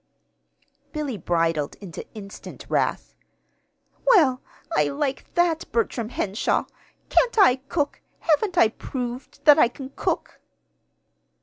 Billy bridled into instant wrath. "Well, I like that, Bertram Henshaw! Can't I cook? Haven't I proved that I can cook?"